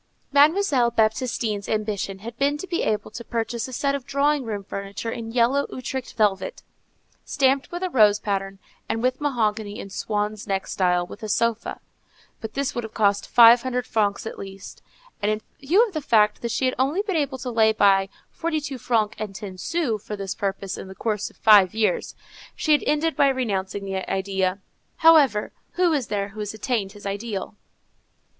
Mademoiselle Baptistine's ambition had been to be able to purchase a set of drawing room furniture in yellow Utrecht velvet, stamped with a rose pattern, and with mahogany in swan's neck style, with a sofa. But this would have cost five hundred francs at least, and in view of the fact that she had only been able to lay by forty two francs and ten sous for this purpose in the course of five years, she had ended by renouncing the idea. However, who is there who has attained his ideal?